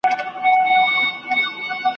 نه یې زده کړل له تاریخ څخه پندونه `